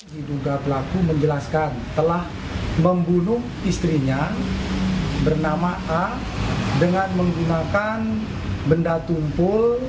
diduga pelaku menjelaskan telah membunuh istrinya bernama a dengan menggunakan benda tumpul